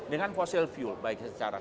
dengan fossil fuel baik secara